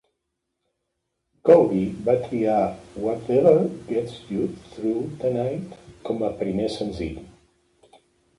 Coury va triar "Whatever Gets You through the Night" com a primer senzill.